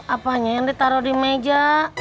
apanya yang ditaruh di meja